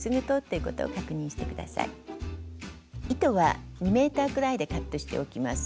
糸は２ｍくらいでカットしておきます。